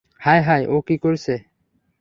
হায় হায়, ও কী করেছে?